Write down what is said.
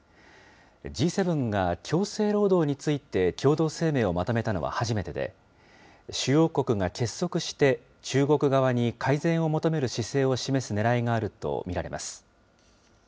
Ｇ７が強制労働について共同声明をまとめたのは初めてで、主要国が結束して、中国側に改善を求める姿勢を示すねらいがあると見られます。